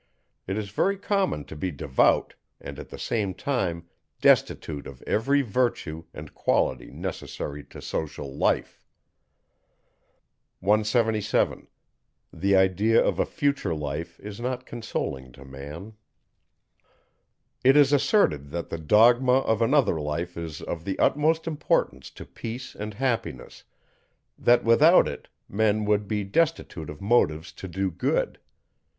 It is very common to be devout, and at the same time destitute of every virtue and quality necessary to social life. 177. It is asserted, that the dogma of another life is of the utmost importance to peace and happiness; that without it, men would be destitute of motives to do good.